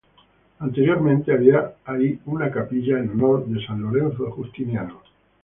Anteriormente, había ahí una capilla en honor de San Lorenzo Justiniano.